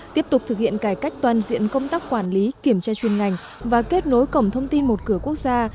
tiếp tục thực hiện cải cách toàn diện công tác quản lý kiểm tra chuyên ngành và kết nối cổng thông tin một cửa quốc gia